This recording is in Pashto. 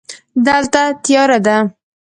دلته تیاره ده.